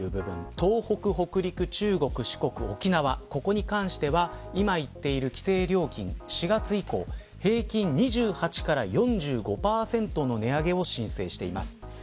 東北、北陸、中国、四国、沖縄ここに関しては今、言っている規制料金４月以降、平均２８から４５％の値上げを申請しています。